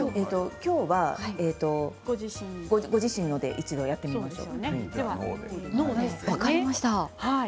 今日はご自身ので一度やってみましょう。